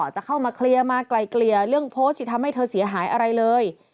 จะเข้ามาเคลียร์มาไกลเกลี่ยเรื่องโพสต์ที่ทำให้เธอเสียหายอะไรเลย